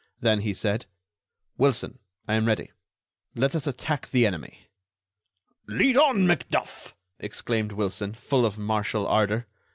Then he said: "Wilson, I am ready. Let us attack the enemy." "Lead on, Macduff!" exclaimed Wilson, full of martial ardor.